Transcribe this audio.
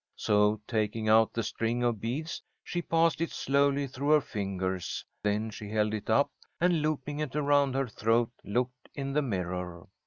So, taking out the string of beads, she passed it slowly through her fingers. Then she held it up, and, looping it around her throat, looked in the mirror.